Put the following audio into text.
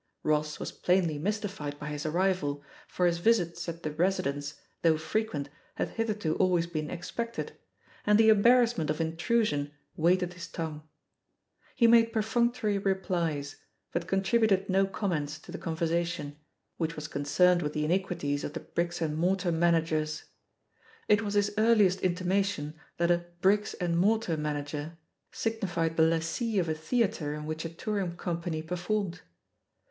Ross was plainly mystified by his arrival, for his visits at the "residence," though frequent, had hitherto al ways been expected, and the embarrassment of intrusion weighted his tongue. He made per functory replies, but contributed no comments to the conversation, which was concerned with the iniquities of the "bricks and mortar managers." It was his earliest intimation that a "bricks and mortar manager" signified the lessee of a theatre in which a toiu ing company performed.